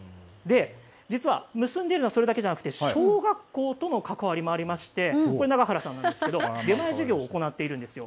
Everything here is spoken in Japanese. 実はむすんでいるのはそれだけじゃなくて小学校とも関わりもありましてこれ永原さんなんですけど出前授業を行っているんですよ。